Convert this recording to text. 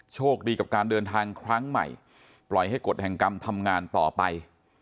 โชคดีกับการเดินทางครั้งใหม่ปล่อยให้กฎแห่งกรรมทำงานต่อไป